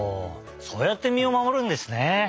そうやって身をまもるんですね。